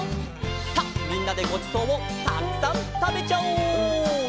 さあみんなでごちそうをたくさんたべちゃおう！